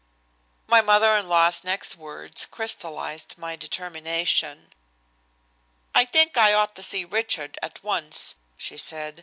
My mother in law's next words crystallized my determination. "I think I ought to see Richard at once," she said.